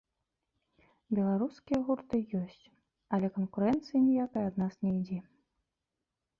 Беларускія гурты ёсць, але канкурэнцыі ніякай ад нас не ідзе.